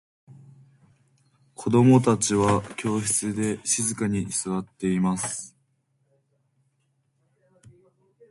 子供達は教室で静かに座っています。